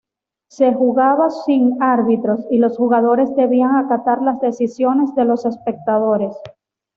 Se jugaba sin árbitros y los jugadores debían acatar las decisiones de los espectadores.